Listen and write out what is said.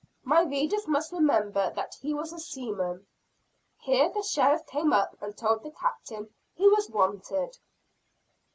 My readers must remember that he was a seaman. Here the sheriff came up and told the Captain he was wanted.